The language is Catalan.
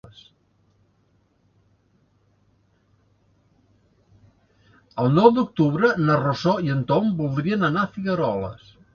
El nou d'octubre na Rosó i en Tom voldrien anar a Figueroles.